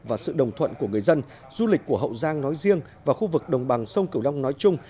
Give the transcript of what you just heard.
và sự đồng thuận của người dân du lịch của hậu giang nói riêng và khu vực đồng bằng sông cửu long nói chung